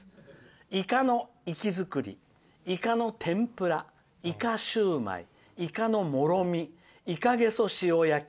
イカの生き作りイカの天ぷら、イカシューマイイカのもろみイカゲソ塩焼き